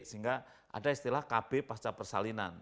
sehingga ada istilah kb pasca persalinan